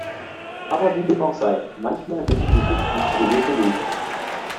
Aber wie dem auch sei, manchmal geht die Politik mysteriöse Wege.